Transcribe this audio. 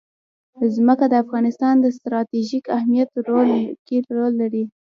ځمکه د افغانستان په ستراتیژیک اهمیت کې رول لري.